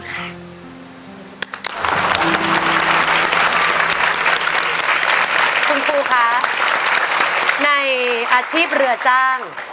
คุณปูคะในอาชีพเรือจ้าง